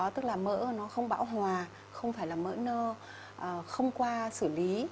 tức là mỡ nó không bão hòa không phải là mỡ nơ không qua xử lý